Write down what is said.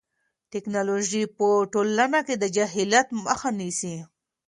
ټیکنالوژي په ټولنه کې د جهالت مخه نیسي.